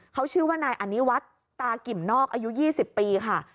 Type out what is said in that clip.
เขาชื่อว่านายอนิวัฒน์ตากิ่มนอกอายุ๒๐ปีค่ะ